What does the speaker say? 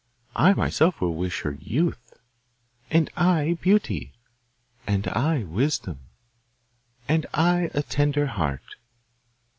I myself will wish her youth.' 'And I beauty.' 'And I wisdom.' 'And I a tender heart.